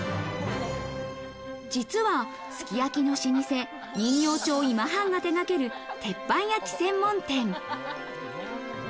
実は、すき焼きの老舗、人形町今半が手がける鉄板焼き専門店。